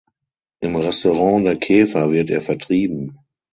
Im Restaurant der Käfer wird er vertrieben.